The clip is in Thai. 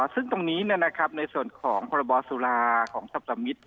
ซึ่งตรงนี้นะครับในส่วนของพรบสุราของทัพสามิท